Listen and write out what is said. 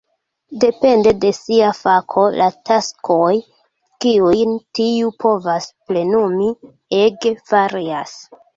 Depende de sia fako, la taskoj kiujn tiu povas plenumi ege varias.